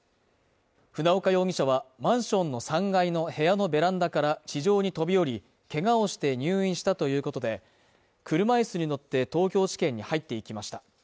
船岡容疑者はマンションの３階の部屋のベランダから地上に飛び降り、けがをして入院したということで、車いすに乗って東京地検に入っていきました。